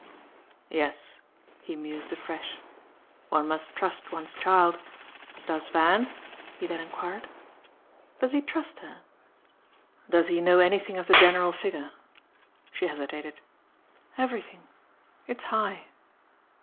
"Yes," he mused afresh, "one must trust one's child. Does Van?" he then enquired. "Does he trust her?" "Does he know anything of the general figure?" She hesitated. "Everything. It's high."